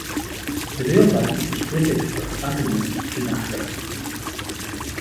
The rail line was slated for abandonment soon after.